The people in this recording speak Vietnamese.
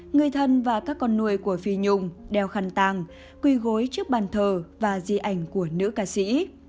người thân và các con nuôi của phi nhung đeo khăn tàng quỳ gối trước bàn thờ và di ảnh của nữ ca sĩ